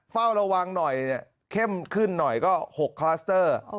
เฝ้าระวังหน่อยเข้มขึ้นหน่อยก็๖คลัสเตอร์